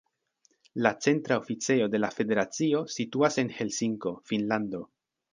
La centra oficejo de la federacio situas en Helsinko, Finnlando.